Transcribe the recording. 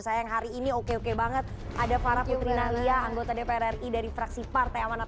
sayang hari ini oke oke banget ada farah putri nadia anggota dpr ri dari fraksi partai amanat